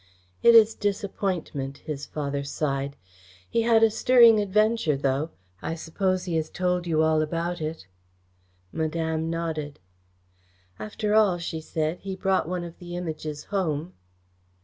"It is disappointment," his father sighed. "He had a stirring adventure, though. I suppose he has told you all about it." Madame nodded. "After all," she said, "he brought one of the Images home."